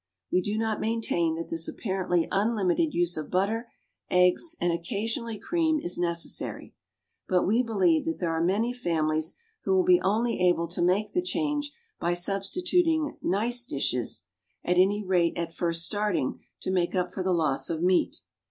We do not maintain that this apparently unlimited use of butter, eggs, and occasionally cream, is necessary; but we believe that there are many families who will be only able to make the change by substituting "nice" dishes, at any rate at first starting, to make up for the loss of the meat.